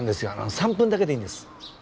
３分だけでいいんです。